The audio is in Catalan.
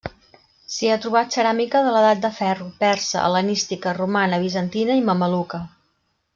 S'hi ha trobat ceràmica de l'Edat de Ferro, persa, hel·lenística, romana, bizantina i mameluca.